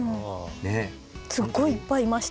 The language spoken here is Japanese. すごいいっぱいいました。